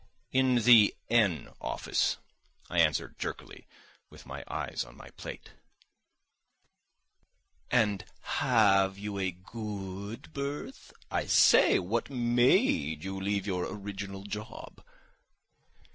"In the N—— office," I answered jerkily, with my eyes on my plate. "And ha ave you a go od berth? I say, what ma a de you leave your original job?"